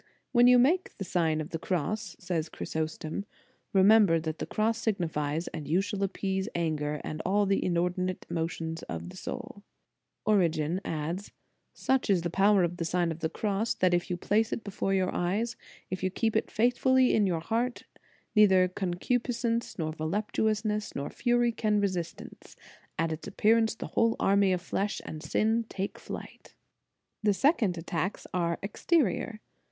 "When you make the Sign of the Cross," says St. Chrysostom, " remember what the cross signifies, and you shall appease anger and all the inordinate motions of the soul."^ Origen adds: "Such is the power of the Sign of the Cross, that if you place it before your eyes, if you keep it faithfully in your heart, neither concupiscence, nor voluptuous * De vit. S. Anton. t De ador. pret. cruc., n. 3. 19* 222 The Sign of the Cross ness, nor fury can resist it; at its appearance the whole army of flesh and sin take flight."* The second attacks are exterior.